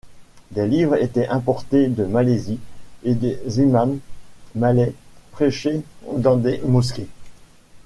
Des livres étaient importés de Malaisie, et des imams malais prêchaient dans des mosquées.